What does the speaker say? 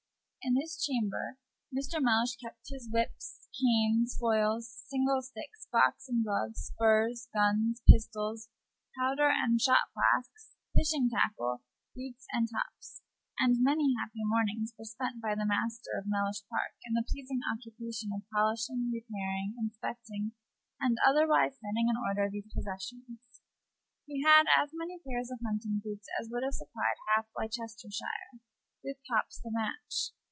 In this chamber Mr. Mellish kept his whips, canes, foils, single sticks, boxing gloves, spurs, guns, pistols, powder and shot flasks, fishing tackle, boots and tops, and many happy mornings were spent by the master of Mellish Park in the pleasing occupation of polishing, repairing, inspecting, and otherwise setting in order these possessions. He had as many pairs of hunting boots as would have supplied half Leicestershire, with tops to match.